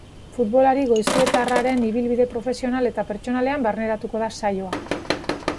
Futbolari goizuetarraren ibilbide profesional eta pertsonalean barneratuko da saioa.